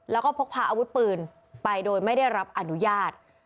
แล้วก็พกพาอาวุธปืนไปโดยไม่ได้รับอนุญาต